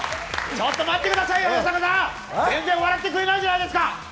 ちょっと待ってください、吉高さん、全然笑ってくれないじゃないですか。